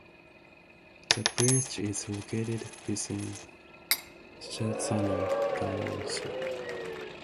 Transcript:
The village is located within Chesaning Township.